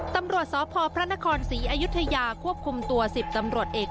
ตำรวจสพพระนครศรีอยุธยาควบคุมตัว๑๐ตำรวจเอก